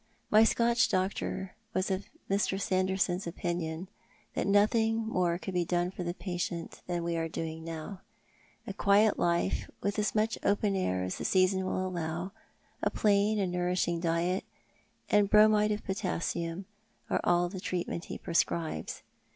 My Scotch doctor was of Mr. Sanderson's opinion that nothing more could be done for the patient than we are now doing. A quiet life, with as much open air as the season will allow, a plain and nourishing diet, and bromide of potassium are all the treatment he j^rescribes.